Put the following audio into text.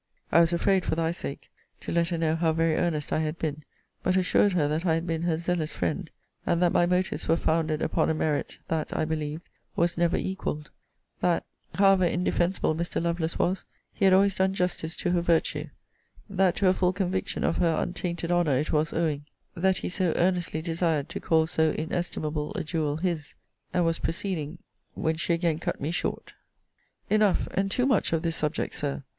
I was afraid, for thy sake, to let her know how very earnest I had been: but assured her that I had been her zealous friend; and that my motives were founded upon a merit, that, I believed, was never equaled: that, however indefensible Mr. Lovelace was, he had always done justice to her virtue: that to a full conviction of her untainted honour it was owing that he so earnestly desired to call so inestimable a jewel his and was proceeding, when she again cut me short Enough, and too much, of this subject, Sir!